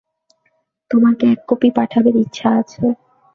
তোমাকে এক কপি পাঠাবার ইচ্ছা আছে।